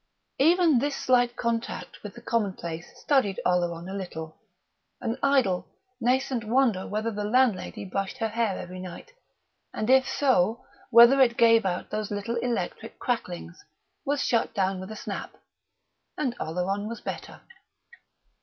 Even this slight contact with the commonplace steadied Oleron a little; an idle, nascent wonder whether the landlady brushed her hair every night, and, if so, whether it gave out those little electric cracklings, was shut down with a snap; and Oleron was better....